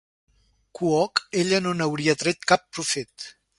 Cook, ella no n'hauria tret cap profit.